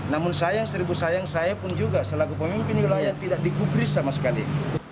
namun saya seribu sayang saya pun juga selagi pemimpin wilayah tidak digubri sama sekali